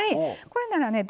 これならね